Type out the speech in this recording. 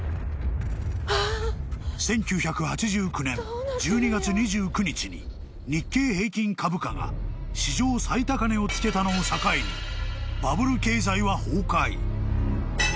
［１９８９年１２月２９日に日経平均株価が史上最高値をつけたのを境にバブル経済は崩壊］